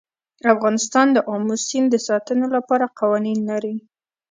افغانستان د آمو سیند د ساتنې لپاره قوانین لري.